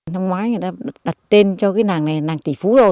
năm ngoái người ta đặt tên cho cái nàng này là nàng tỷ phú